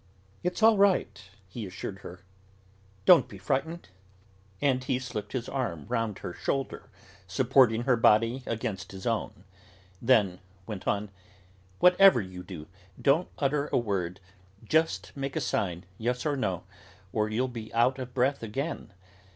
"It's all right," he assured her, "don't be frightened." And he slipped his arm round her shoulder, supporting her body against his own; then went on: "Whatever you do, don't utter a word; just make a sign, yes or no, or you'll be out of breath again.